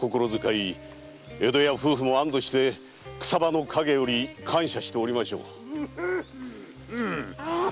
江戸屋夫婦も安堵して草葉の陰より感謝しておりましょう。